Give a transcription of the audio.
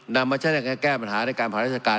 นำมันใช้ได้แก้ปัญหาในการภารกิจการฯ